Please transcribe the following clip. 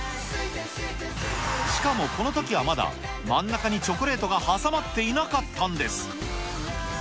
しかもこのときはまだ真ん中にチョコレートが挟まっていなかったんです。